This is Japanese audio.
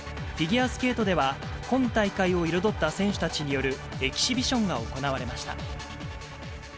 フィギュアスケートでは、今大会を彩った選手たちによるエキシビションが行われました。